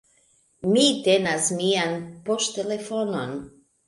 Mi tenas mian poŝtelefonon.